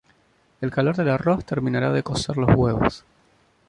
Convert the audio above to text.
El calor del arroz terminará de cocer los huevos.